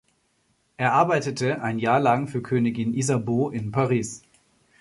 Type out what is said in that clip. Er arbeitete ein Jahr lang für Königin Isabeau in Paris.